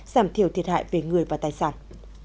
giảm thiểu thiệt hại về người và tài sản